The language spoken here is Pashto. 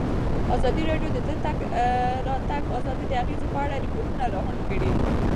ازادي راډیو د د تګ راتګ ازادي د اغېزو په اړه ریپوټونه راغونډ کړي.